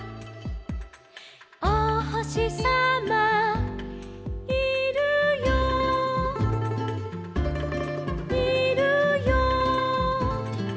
「おほしさまいるよいるよ」